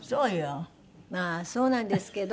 まあそうなんですけど。